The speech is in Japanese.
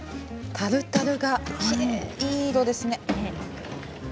タルタルがきれい、いい色ですね。